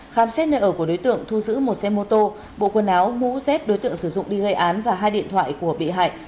đầu của đối tượng thu giữ một xe mô tô bộ quần áo mũ xếp đối tượng sử dụng đi gây án và hai điện thoại của bị hại